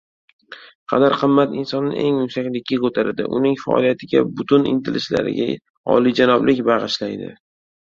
Qadr-qimmat insonni eng yuksaklikka ko‘taradi, uning faoliyatiga, butun intilishlariga olijanoblik bag‘ishlaydi.